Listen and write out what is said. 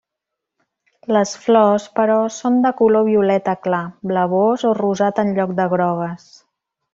Les flors però són de color violeta clar, blavós o rosat en lloc de grogues.